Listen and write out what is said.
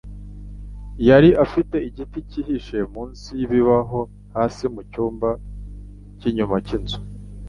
Yari afite igiti cyihishe munsi yibibaho hasi mucyumba cyinyuma cyinzu.